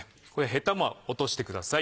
ヘタも落としてください。